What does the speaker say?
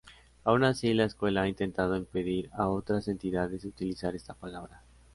Aun así, la escuela ha intentado impedir a otras entidades utilizar esta palabra.